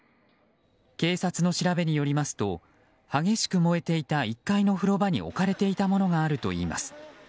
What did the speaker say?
警察の調べによりますと激しく燃えていた１階の風呂場に置かれていたものがあるといいます。